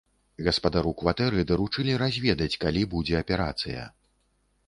Гаспадару кватэры даручылі разведаць, калі будзе аперацыя.